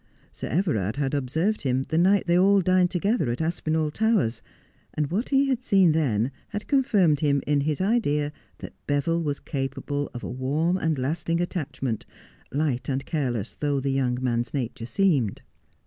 Sir Everard had observed him the night they all dined together at Aspinall Towers, and what he had seen then had confirmed him in his idea that Beville was capable of a warm and lasting attachment, light and careless though the young man's nature seemed.